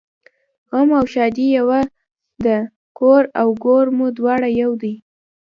غم او ښادي یوه ده کور او ګور مو دواړه یو دي